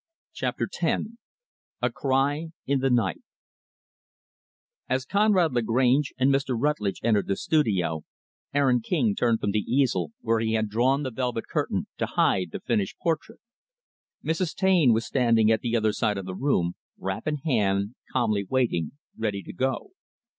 Chapter X A Cry in the Night As Conrad Lagrange and Mr. Rutlidge entered the studio, Aaron King turned from the easel, where he had drawn the velvet curtain to hide the finished portrait. Mrs. Taine was standing at the other side of the room, wrap in hand, calmly waiting, ready to go.